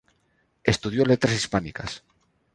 Estudió Letras Hispánicas.